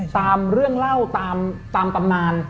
ตามเรื่องเล่าตามตำนาน